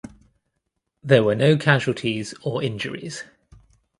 There were no casualties or injuries.